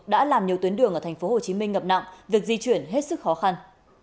đã làm nhiều tuyến đường ở tp hcm ngập nặng việc di chuyển hết sức khó khăn